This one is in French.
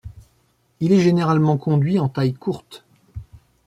Il est généralement conduit en taille courte.